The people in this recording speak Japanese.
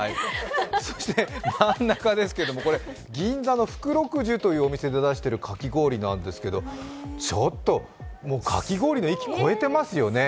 そして真ん中なですけど、これ銀座の福祿壽というお店で出しているものですがちょっとかき氷の域、超えてますよね。